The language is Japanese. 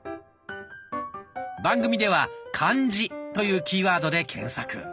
番組では「漢字」というキーワードで検索。